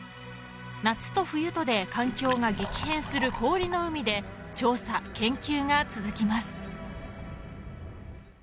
夏と冬とで環境が激変する氷の海で調査、研究が続きます。